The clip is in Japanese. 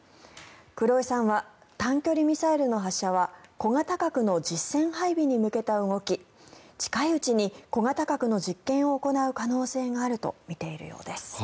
黒井さんは短距離ミサイルの発射は小型核の実戦配備に向けた動き近いうちに小型核の実験を行う可能性があると見ているようです。